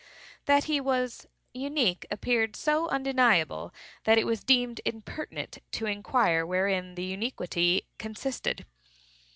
That he was unique appeared so undeniable, that it was deemed impertinent to inquire wherein the uniquity consisted.